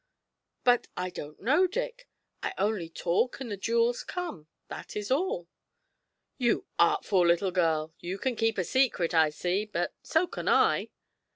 'But I don't know, Dick. I only talk and the jewels come that is all.' 'You artful little girl! you can keep a secret, I see, but so can I.